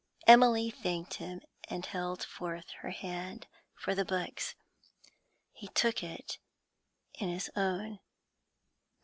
Emily thanked him, and held forth her hand for the books. He took it in his own.